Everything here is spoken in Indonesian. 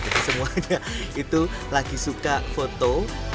jadi semuanya itu lagi suka foto